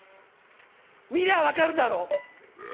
「見りゃ分かるだろ！